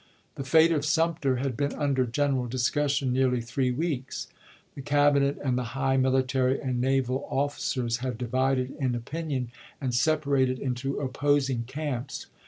The fate of Sumter had been under general discussion nearly three weeks. The Cab inet and the high military and naval officers had divided in opinion and separated into opposing camps.